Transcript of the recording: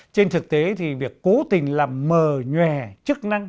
trên thực tế thì việc cố tình làm mờ nhòe chức năng